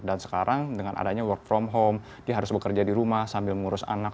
dan sekarang dengan adanya work from home dia harus bekerja di rumah sambil mengurus anak